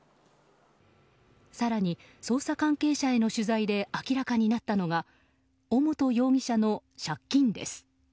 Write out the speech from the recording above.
更に、捜査関係者への取材で明らかになったのは尾本容疑者の借金です。